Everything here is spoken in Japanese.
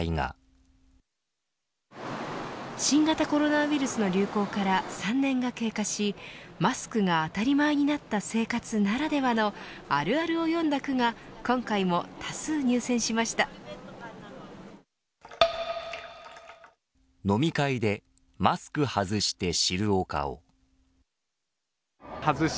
新型コロナウイルスの流行から３年が経過しマスクが当たり前になった生活ならではのあるあるを詠んだ句が今回も多数入選しました。